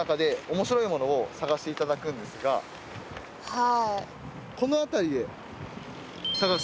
はい。